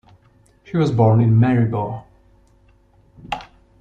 She was born in Maribor.